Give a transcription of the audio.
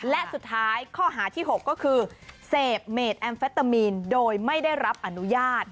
และสุดท้ายข้อหาที่๖ก็คือเสพเมดแอมเฟตามีนโดยไม่ได้รับอนุญาต